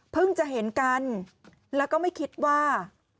จะเห็นกันแล้วก็ไม่คิดว่า